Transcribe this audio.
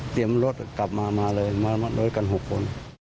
เตรียมรถกลับมามาเลยรถกัน๖คน